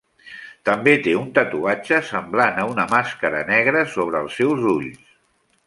També té un tatuatge semblant a una màscara negra sobre els seus ulls.